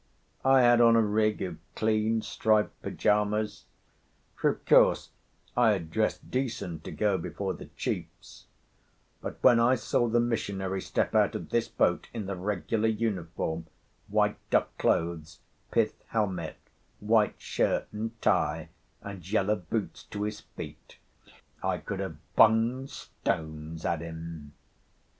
I had on a rig of clean striped pyjamas—for, of course, I had dressed decent to go before the chiefs; but when I saw the missionary step out of this boat in the regular uniform, white duck clothes, pith helmet, white shirt and tie, and yellow boots to his feet, I could have bunged stones at him.